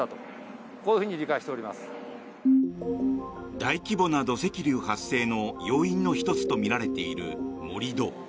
大規模な土石流発生の要因の１つとみられている盛り土。